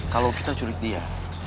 kalo kita culik dia